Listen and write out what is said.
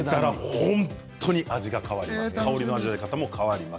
本当に味が変わります。